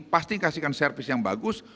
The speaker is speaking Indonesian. pasti kasihkan servis yang bagus